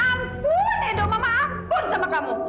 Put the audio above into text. ampun edo mama akun sama kamu